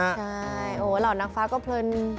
ใช่หล่อนักฟ้าก็เพลิน